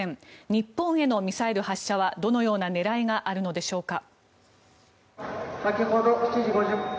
日本へのミサイル発射はどのような狙いがあるのでしょうか。